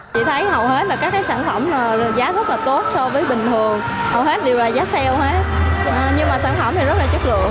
chỉ thấy hầu hết là các sản phẩm giá rất là tốt so với bình thường hầu hết đều là giá sale hết nhưng mà sản phẩm thì rất là chất lượng